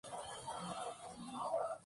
Para ello Cartman le pide a su gata Mr.